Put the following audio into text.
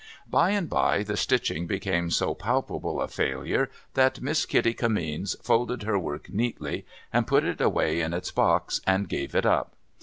By and by, the stitching became so palpable a failure that Miss Kitty Kimmeens folded her work neatly, and put it away in its box, and gave it up.